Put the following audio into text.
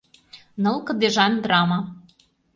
Ныл кыдежан драма